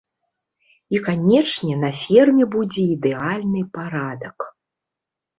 І канечне, на ферме будзе ідэальны парадак.